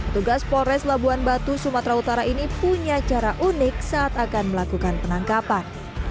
tugas polres labuan batu sumatera utara ini punya cara unik saat akan melakukan penangkapan